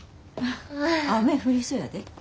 雨降りそやで。